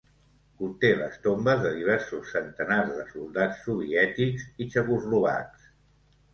Conté les tombes de diversos centenars de soldats soviètics i txecoslovacs.